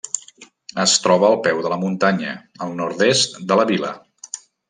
Es troba al peu de la muntanya, al nord-est de la vila.